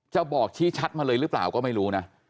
บอกชี้ชัดมาเลยหรือเปล่าก็ไม่รู้นะ